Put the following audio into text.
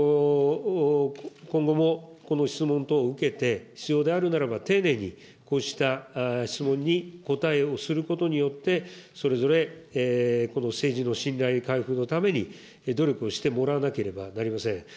今後もこの質問等を受けて、必要であるならば、丁寧にこうした質問に答えをすることによって、それぞれこの政治の信頼回復のために努力をしてもらわなければなりません。